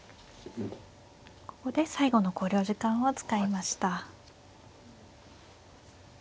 ここで最後の考慮時間を使いました。